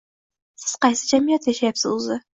Siz qaysi jamiyatda yashayapsiz, o‘zi?